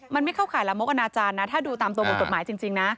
มันไม่เข้าข่ายละมกอนาจารย์นะถ้าดูตามตัวบทกฎหมายจริงนะ